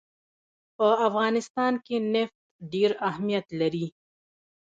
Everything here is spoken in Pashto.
په افغانستان کې نفت ډېر اهمیت لري.